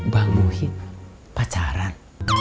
bang muhid pacaran